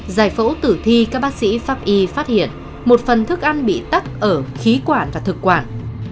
giải phẫu tử thi các bác sĩ pháp y phát hiện một phần thức ăn bị tắt ở khí quản và thực quản